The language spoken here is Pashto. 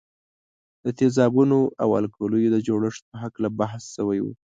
د تیزابونو او القلیو د جوړښت په هکله بحث شوی وو.